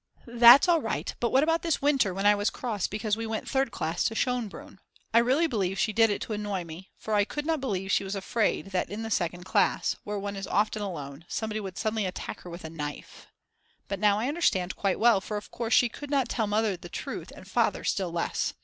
That's all right, but what about this winter when I was cross because we went Third class to Schonbrunn; I really believed she did it to annoy me, for I could not believe she was afraid that in the second class, where one is often alone, somebody would suddenly attack her with a knife. But now I understand quite well, for of course she could not tell Mother the truth and Father still less.